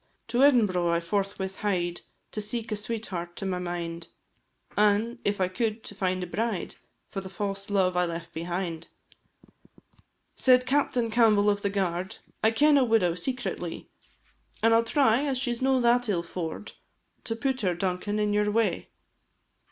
To Edinbro' I forthwith hied To seek a sweetheart to my mind, An', if I could, to find a bride For the fause love I left behind; Said Captain Campbell of the Guard, "I ken a widow secretly, An' I 'll try, as she 's no that ill faur'd, To put her, Duncan, in your way."